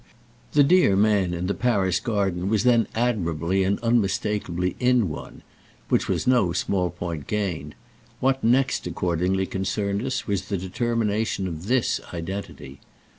The dear man in the Paris garden was then admirably and unmistakeably in one—which was no small point gained; what next accordingly concerned us was the determination of this identity.